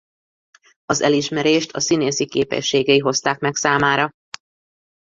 Az elismerést a színészi képességei hozták meg számára.